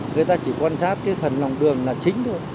người ta chỉ quan sát cái phần lòng đường là chính thôi